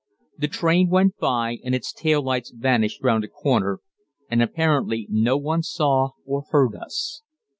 The train went by, and its tail lights vanished round a corner and apparently no one saw or heard us.